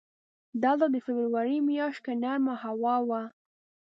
دلته د فبروري میاشت کې نرمه هوا وه.